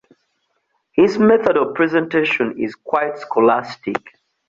His method of presentation is quite scholastic.